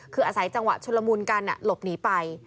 คืออาศัยจังหวะชุลมุนกันหลบหนีไป